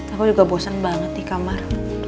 aku juga bosan banget di kamar